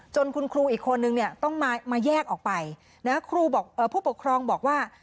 คุณครูอีกคนนึงเนี่ยต้องมาแยกออกไปนะครูบอกผู้ปกครองบอกว่า